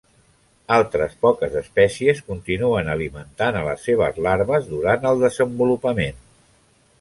Altres poques espècies continuen alimentant a les seves larves durant el desenvolupament.